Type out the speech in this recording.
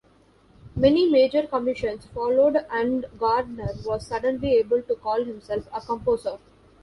Many major commissions followed and Gardner was suddenly able to call himself "a composer".